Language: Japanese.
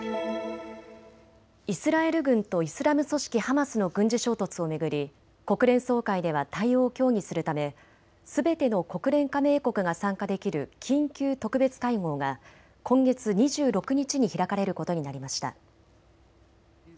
イスラエル軍とイスラム組織ハマスの軍事衝突を巡り国連総会では対応を協議するためすべての国連加盟国が参加できる緊急特別会合が今月２６日に開かれることになりました。